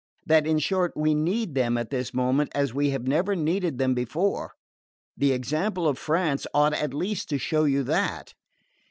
That, in short, we need them at this moment as we have never needed them before? The example of France ought at least to show you that."